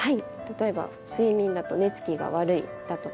例えば「睡眠」だと「寝つきが悪い」だとか「はい」